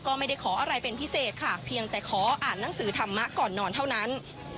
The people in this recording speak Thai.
ก็ไม่ได้ขออะไรเป็นพิเศษค่ะเพียงแต่ขออ่านหนังสือธรรมะก่อนนอนเท่านั้น